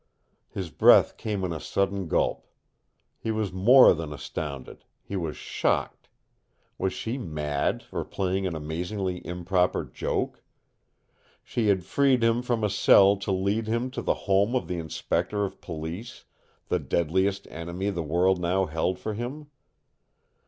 His breath came in a sudden gulp. He was more than astounded. He was shocked. Was she mad or playing an amazingly improper joke? She had freed him from a cell to lead him to the home of the Inspector of Police, the deadliest enemy the world now held for him.